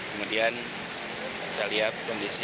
kemudian saya lihat kondisi